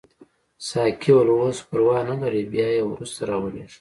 ساقي وویل اوس پروا نه لري بیا یې وروسته راولېږه.